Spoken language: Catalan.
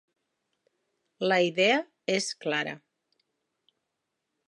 La idea és clara.